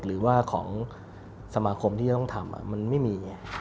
หรือว่าของสมาคมที่จะต้องทำมันไม่มี